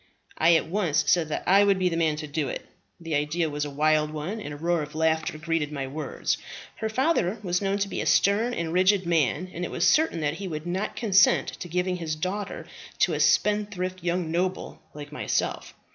I at once said that I would be the man to do it; the ideas was a wild one, and a roar of laughter greeted my words. Her father was known to be a stern and rigid man, and it was certain that he would not consent to give his daughter to a spendthrift young noble like myself.